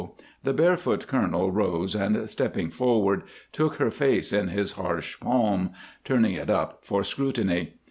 The barefoot colonel rose and, stepping forward, took her face in his harsh palm, turning it up for scrutiny.